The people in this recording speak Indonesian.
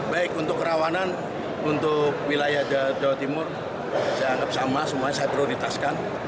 baik untuk kerawanan untuk wilayah jawa timur saya anggap sama semuanya saya prioritaskan